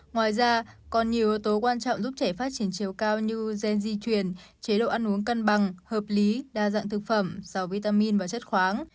ngoài ra còn nhiều yếu tố quan trọng giúp trẻ phát triển chiều cao như gen di truyền chế độ ăn uống cân bằng hợp lý đa dạng thực phẩm sau vitamin và chất khoáng